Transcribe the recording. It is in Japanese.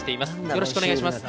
よろしくお願いします。